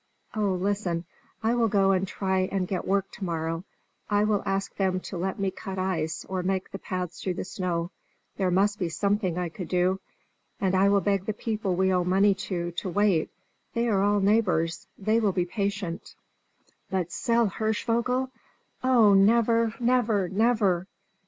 Oh, listen; I will go and try and get work to morrow; I will ask them to let me cut ice or make the paths through the snow. There must be something I could do, and I will beg the people we owe money to, to wait; they are all neighbours, they will be patient. But sell Hirschvogel! oh, never! never! never!